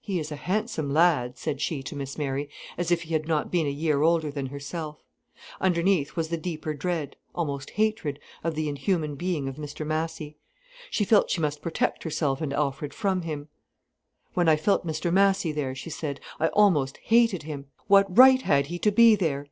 "He is a handsome lad," said she to Miss Mary, as if he had not been a year older than herself. Underneath was the deeper dread, almost hatred, of the inhuman being of Mr Massy. She felt she must protect herself and Alfred from him. "When I felt Mr Massy there," she said, "I almost hated him. What right had he to be there!"